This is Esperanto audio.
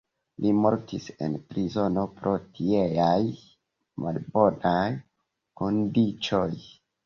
Li mortis en prizono pro tieaj malbonaj kondiĉoj.